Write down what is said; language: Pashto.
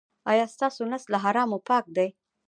ایا ستاسو نس له حرامو پاک دی؟